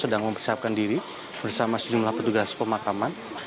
sedang mempersiapkan diri bersama sejumlah petugas pemakaman